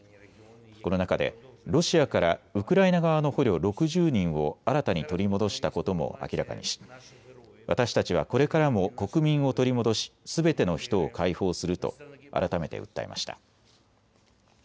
この中でロシアからウクライナ側の捕虜６０人を新たに取り戻したことも明らかにし、私たちはこれからも国民を取り戻しすべての人を解放すると改めて訴えました。